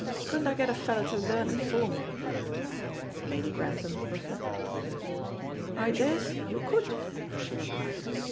Couldn't I get a feller to learn it for me?" Lady Grantham reflected. "I daresay you could," she replied.